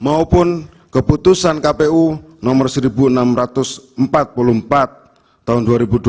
maupun keputusan kpu nomor seribu enam ratus empat puluh empat tahun dua ribu dua puluh